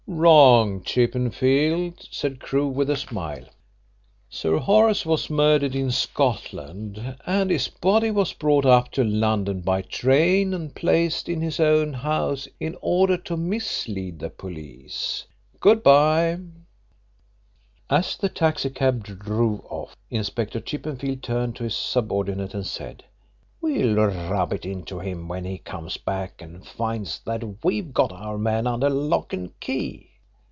"Wrong, Chippenfield," said Crewe, with a smile. "Sir Horace was murdered in Scotland and his body was brought up to London by train and placed in his own house in order to mislead the police. Good bye." As the taxi cab drove off, Inspector Chippenfield turned to his subordinate and said, "We'll rub it into him when he comes back and finds that we have got our man under lock and key.